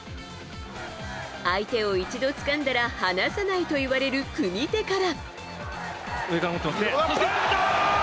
相手を一度つかんだら離さないといわれる組み手から。